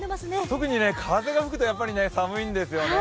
特に風が吹くとやっぱり寒いんですよね。